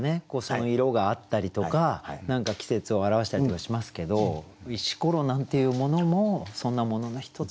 その色があったりとか何か季節を表したりとかしますけど「石ころ」なんていうものもそんなものの一つだなってね。